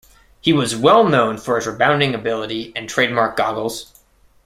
He was well known for his rebounding ability and trademark goggles.